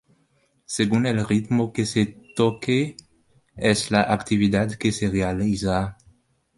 Según el ritmo que se toque es la actividad que se realiza.